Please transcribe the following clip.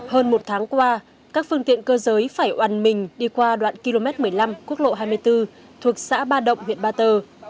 hơn một tháng qua các phương tiện cơ giới phải oàn mình đi qua đoạn km một mươi năm quốc lộ hai mươi bốn thuộc xã ba động huyện ba tơ